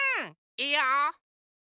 いいよ！